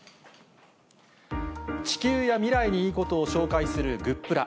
地球や未来にいいことを紹介するグップラ。